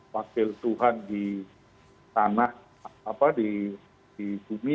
wakil tuhan di tanah di bumi